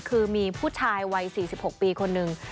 คือมีผู้ชายวัย๔๖ปีคนหนึ่ง